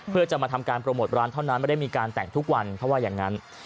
เพื่อจะมาทำการโปรโมทร้านเท่านั้นไม่ได้มีการแต่งทุกวันเขาว่าอย่างนั้น